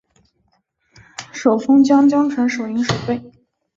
授松江城守营守备。